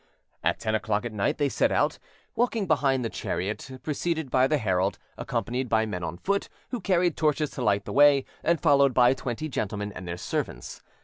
At ten o'clock at night they set out, walking behind the chariot, preceded by the herald, accompanied by men on foot, who carried torches to light the way, and followed by twenty gentlemen and their servants.